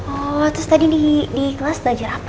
oh terus tadi di kelas belajar apa